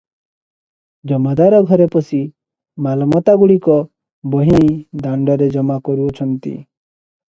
ଜମାଦାର ଘରେ ପଶି ମାଲମତାଗୁଡ଼ିକ ବହିଆଣି ଦାଣ୍ତରେ ଜମା କରୁଅଛନ୍ତି ।